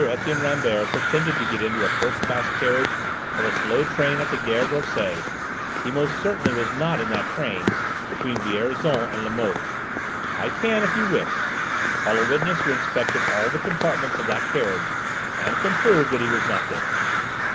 Etienne Rambert pretended to get into a first class carriage of a slow train at the gare d'Orsay, he most certainly was not in that train between Vierzon and Limoges: I can, if you wish, call a witness who inspected all the compartments of that carriage, and can prove that he was not there.